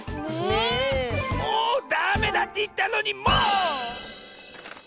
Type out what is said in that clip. もうダメだっていったのにもう！